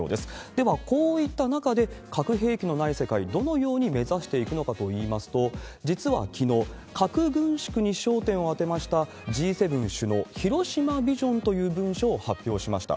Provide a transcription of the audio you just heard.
ではこういった中で、核兵器のない世界、どのように目指していくのかといいますと、実はきのう、核軍縮に焦点を当てましたＧ７首脳広島ビジョンという文書を発表しました。